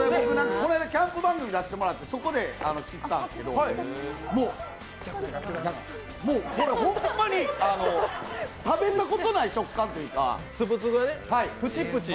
この間、キャンプ番組出してもらって、そこで知ったんですけどもうこれホンマに食べたことない食感というか。